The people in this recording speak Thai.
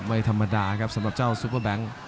ไม่ธรรมดาครับสำหรับเจ้าซูเปอร์แบงค์